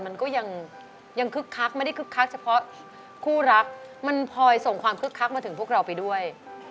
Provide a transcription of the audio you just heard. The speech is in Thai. มันก็ยังคึกคักไม่ได้คึกคักเฉพาะคู่รักมันพลอยส่งความคึกคักมาถึงพวกเราไปด้วย